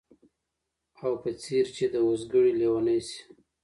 او په څېر چي د اوزګړي لېونی سي